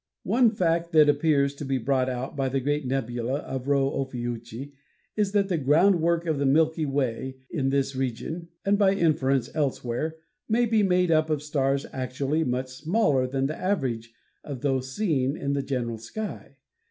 One fact that appears to be brought out by the great nebula of Rho Ophiuchi is that the groundwork of the Milky Way in this region, and by inference elsewhere, may be made up of stars actually much smaller than the average of those seen in the general sky.